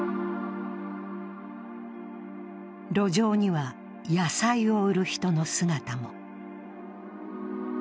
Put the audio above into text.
路上には野菜を売る人の姿も。